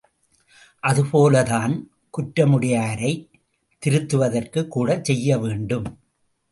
அது போலத்தான் குற்றமுடையாரைத் திருத்துவதற்கும் கூடச் செய்ய வேண்டும்.